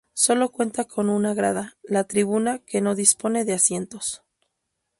Sólo cuenta con un grada, la tribuna, que no dispone de asientos.